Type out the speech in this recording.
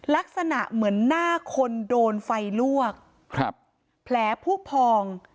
ลักษณะเหมือนหน้าคนโดนไฟลวกครับแผลผู้พอง